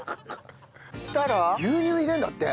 そしたら牛乳入れるんだって。